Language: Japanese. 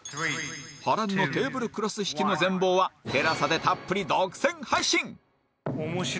波乱のテーブルクロス引きの全貌は ＴＥＬＡＳＡ でたっぷり独占配信！